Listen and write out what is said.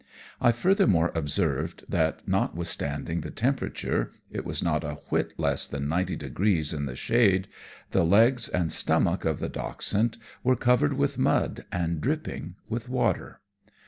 I furthermore observed that notwithstanding the temperature it was not a whit less than ninety degrees in the shade the legs and stomach of the dachshund were covered with mud and dripping with water.